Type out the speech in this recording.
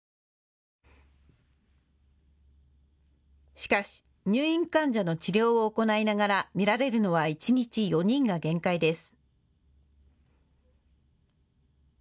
しかし入院患者の治療を行いながら診られるのは一日４人が限界です。